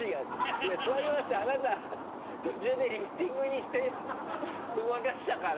いや「座ります！」ってあなた途中でリフティングにしてごまかしたから。